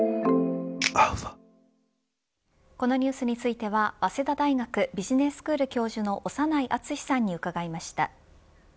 このニュースについては早稲田大学ビジネススクール教授の長内厚さんに伺いました。